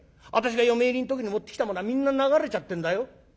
私が嫁入りの時に持ってきたものはみんな流れちゃってんだよ。